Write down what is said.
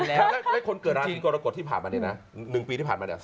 และคนเกิดราศีกรกฎที่ผ่านมาเนี่ยนะหนึ่งปีที่ผ่านมาทำด้วย